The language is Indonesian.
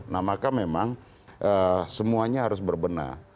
nah maka memang semuanya harus berbenah